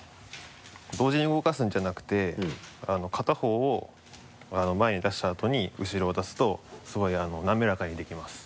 同時に動かすんじゃなくて片方を前に出したあとに後ろを出すとすごいなめらかにできます。